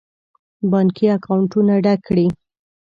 بانکي اکاونټونه ډک کړي.